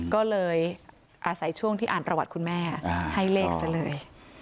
ก็เลยอาศัยช่วงที่อ่านประวัติคุณแม่ให้เลขซะเลย